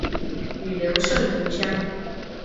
与刘胜同乡。